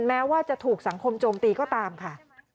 แม้ว่าจะถูกสังคมโจมตีก็ตามค่ะ